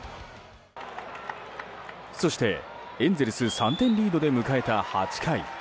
そして、エンゼルス３点リードで迎えた８回。